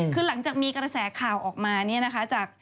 คือหลังจากมีกระแสข่าวออกมาเนี่ยนะคะ